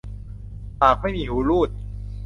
ปากไม่มีหูรูด